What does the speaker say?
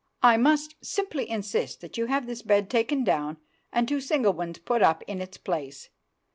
—I must simply insist that you have this bed taken down and two single ones put up in its place.